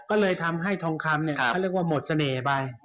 ก็เลยทำให้ทองคำหมดเสน่ห์ไป